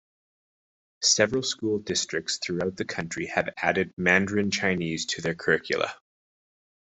Several school districts throughout the county have added Mandarin Chinese to their curriculae.